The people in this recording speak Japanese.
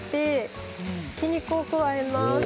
ひき肉を加えます。